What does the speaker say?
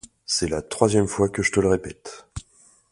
C'est la troisième fois que je te le répète!